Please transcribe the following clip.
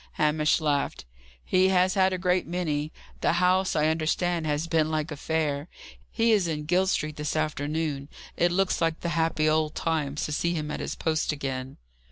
Hamish laughed. "He has had a great many. The house, I understand, has been like a fair. He is in Guild Street this afternoon. It looks like the happy old times, to see him at his post again."